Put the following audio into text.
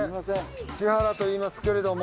千原といいますけれども。